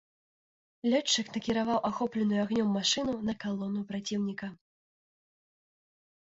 Лётчык накіраваў ахопленую агнём машыну на калону праціўніка.